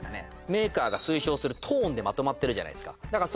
メーカーが推奨するトーンでまとまってるじゃないすかだから